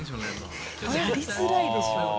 やりづらいでしょ。